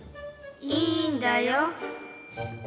いいんだよ。